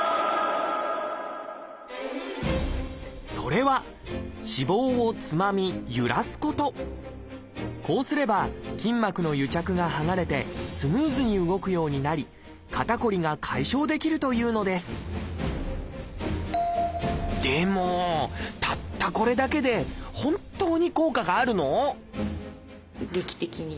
それはこうすれば筋膜の癒着が剥がれてスムーズに動くようになり肩こりが解消できるというのですでもたったこれだけで劇的に？